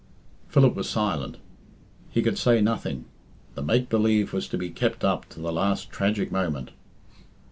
Philip was silent. He could say nothing. The make believe was to be kept up to the last tragic moment.